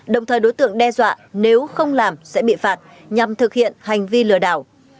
đồng thời đối tượng đe dọa nếu không làm sẽ bị phạt nhằm thực hiện hành vi lừa đảo